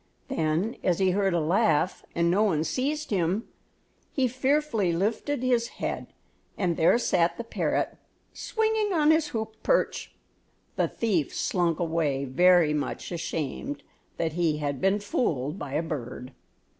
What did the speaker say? Then as he heard a laugh, and no one seized him, he fearfully lifted his head, and there sat the parrot swinging on his hoop perch. The thief slunk away very much ashamed that he had been fooled by a bird.